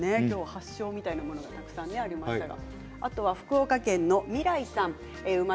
発祥みたいなものがたくさんありましたね。